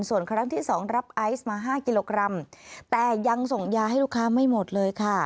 ส่วนครั้งที่สองรับไอซ์มา๕กิโลกรัมแต่ยังส่งยาให้ลูกค้าไม่หมดเลยค่ะ